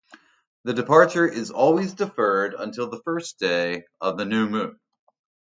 The departure is always deferred until the first day of the new moon.